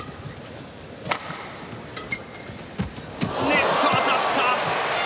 ネットに当たった。